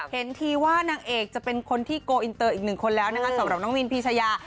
เห็นทีว่านางเอกจะเป็นคนที่โกอินเตอร์อีกหนึ่งคนแล้วนะคะสำหรับน้องมินพีชายา